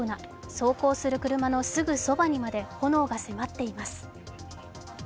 走行する車のすぐそばにまで炎が迫っています